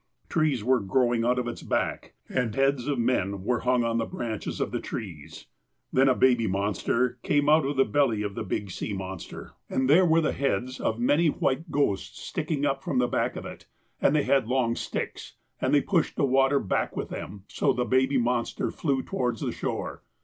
Trees were growing out of its back, and heads of men were hung on the branches of the trees. ^ Then a baby monster ' came out of the belly of the big sea monster, ^ Blocks. " A boat. 64 THE APOSTLE OF ALASKA and there were tlie heads of many white ghosts sticking up from the back of it, and they had long sticks, and pushed the water back with them, so the baby monster flew towards the shore.